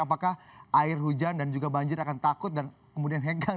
apakah air hujan dan juga banjir akan takut dan kemudian hengkang